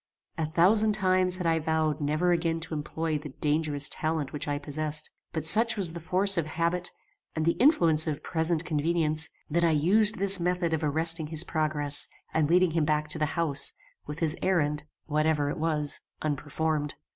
A thousand times had I vowed never again to employ the dangerous talent which I possessed; but such was the force of habit and the influence of present convenience, that I used this method of arresting his progress and leading him back to the house, with his errand, whatever it was, unperformed.